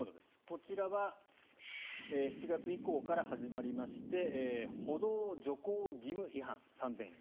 こちらは７月以降から始まりまして歩道徐行義務違反、３０００円。